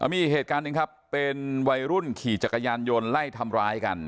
มีอีกเหตุการณ์หนึ่งครับเป็นวัยรุ่นขี่จักรยานยนต์ไล่ทำร้ายกัน